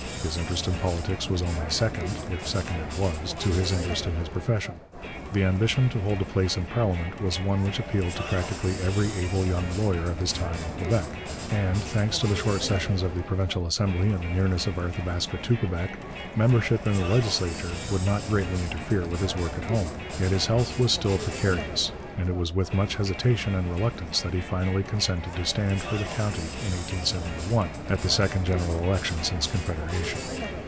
His interest in politics was only second, if second it was, to his interest in his profession. The ambition to hold a place in parliament was one which appealed to practically every able young lawyer of his time in Quebec, and, thanks to the short sessions of the provincial assembly and the nearness of Arthabaska to Quebec, membership in the legislature would not greatly interfere with his work at home. Yet his health was still precarious, and it was with much hesitation and reluctance that he finally consented to stand for the county in 1871, at the second general election since Confederation.